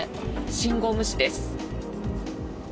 信号無視です。